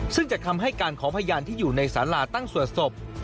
ซึ่งจากคำให้การของพยานที่อยู่ในสาราตั้งสวดศพ